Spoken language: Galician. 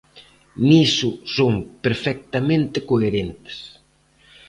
Niso son perfectamente coherentes.